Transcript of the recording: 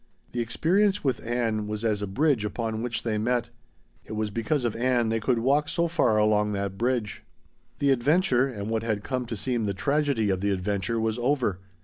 The experience with Ann was as a bridge upon which they met. It was because of Ann they could walk so far along that bridge. The adventure, and what had come to seem the tragedy of the adventure, was over.